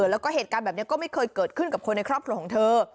แล้วก็เหตุการณ์แบบนี้ก็ไม่เคยเกิดขึ้นกับคนในครอบครัวของเธอ